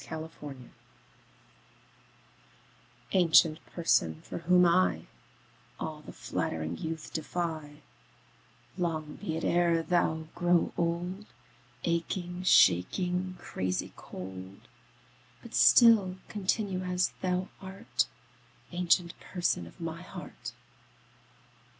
7 Autoplay Ancient Person, for whom I All the flattering youth defy, Long be it e'er thou grow old, Aching, shaking, crazy cold; But still continue as thou art, Ancient Person of my heart.